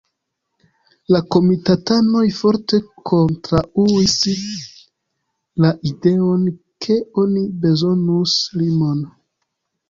La komitatanoj forte kontraŭis la ideon ke oni bezonus limon.